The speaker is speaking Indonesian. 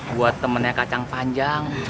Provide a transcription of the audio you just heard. buat temennya kacang panjang